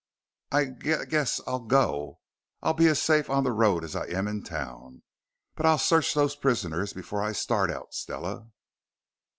"I g guess I'll go. I'll be as safe on the road as I am in t town. But I'll search those prisoners before I start out, Stella."